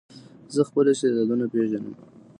زه خپل استعدادونه پېژنم.